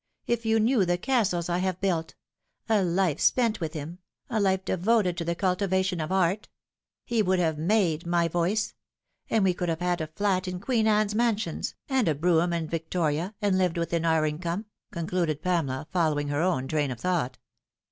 If you knew the castles I have built a life spent with him a life devoted to the cultivation of art ! He would have made my voice ; and we could have had a flat in Queen Anne's Mansions, and a brougham and victoria, and lived within our income," concluded Pamela, following her own train of thought.